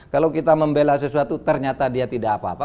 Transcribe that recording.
kalau kita membela sesuatu ternyata dia tidak apa apa